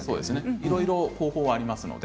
いろいろ方法はあります。